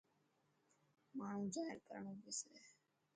ماڻهو زاهر ڪرڻو پيسي.